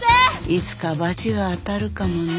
いつかバチが当たるかもね。